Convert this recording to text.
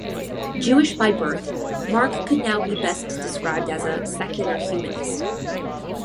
Jewish by birth, Mark could now be best described as a secular humanist.